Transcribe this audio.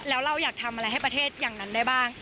แล้วเราอยากทำอะไรให้ประเทศอย่างนั้นได้บ้าง